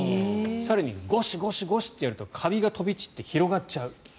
更に、ごしごしごしってやるとカビが飛び散って広がっちゃう。